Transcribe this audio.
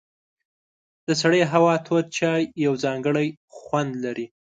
د سړې هوا تود چای یو ځانګړی خوند لري.